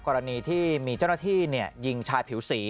กรณีที่มีเจ้าหน้าที่ยิงชายผิวสี